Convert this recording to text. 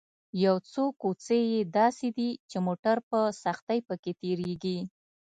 یو څو کوڅې یې داسې دي چې موټر په سختۍ په کې تېرېږي.